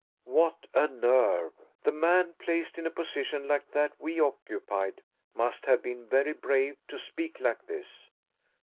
What a nerve! The man placed in a position like that we occupied must have been very brave to speak like this.